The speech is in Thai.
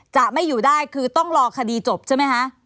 จะไม่อยู่ได้คือต้องรอคดีจบใช่ไหมคะ